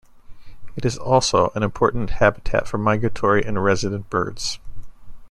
It is also an important habitat for migratory and resident birds.